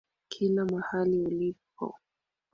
Kila mahali ulipo